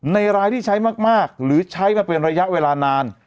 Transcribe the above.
รายที่ใช้มากหรือใช้มาเป็นระยะเวลานาน